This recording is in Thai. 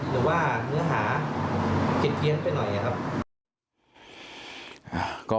หรือว่าเนื้อหาผิดเพี้ยนไปหน่อยครับ